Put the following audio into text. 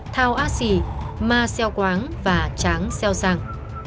thảo a sì ma sèo quáng và tráng sèo sàng